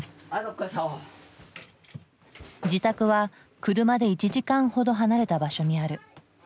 自宅は車で１時間ほど離れた場所にある。